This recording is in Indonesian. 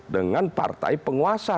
dengan partai penguasa